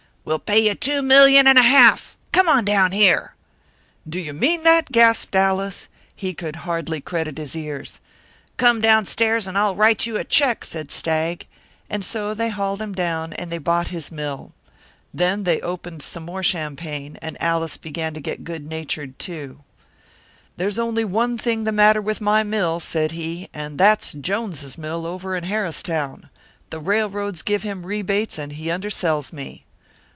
"'We'll pay you two million and a half! Come on down here!' "'Do you mean that?' gasped Allis. He could hardly credit his ears. "'Come downstairs and I'll write you a check!' said Stagg. And so they hauled him down, and they bought his mill. Then they opened some more champagne, and Allis began to get good natured, too. "'There's only one thing the matter with my mill,' said he, 'and that's Jones's mill over in Harristown. The railroads give him rebates, and he undersells me.'